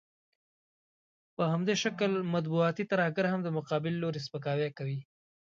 په همدې شکل مطبوعاتي ترهګر هم د مقابل لوري سپکاوی کوي.